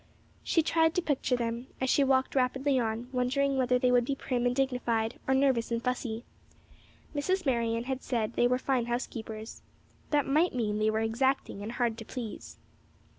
She tried to picture them, as she walked rapidly on, wondering whether they would be prim and dignified, or nervous and fussy. Mrs. Marion had said they were fine housekeepers. That might mean they were exacting and hard to please.